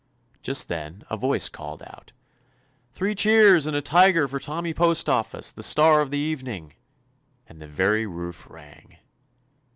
Just then a voice called out, ''Three cheers and a tiger for Tommy Postoffice, the star of the evening!" and the very roof rang.